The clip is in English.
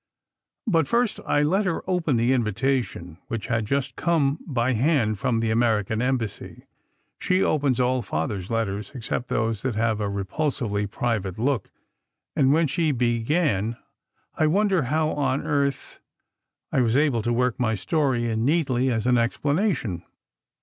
But first, I let her open the invitation which had just come by hand from the American Embassy (she opens all Father s letters, except those that have a repulsively private look), and when she began, "I wonder how on earth ," I was able to work my story in neatly, as an explanation.